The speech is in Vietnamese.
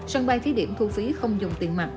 sân bay thí điểm thu phí không dùng tiền mặt